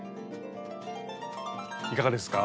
いかがですか？